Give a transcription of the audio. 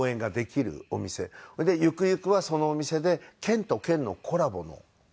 それでゆくゆくはそのお店で県と県のコラボのええ。